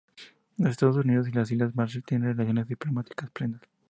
Los Estados Unidos y las Islas Marshall tienen relaciones diplomáticas plenas.